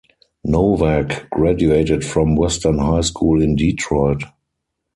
Nowak graduated from Western High School in Detroit.